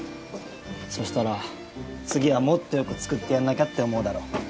そしたら次はもっと良く作ってやんなきゃって思うだろ。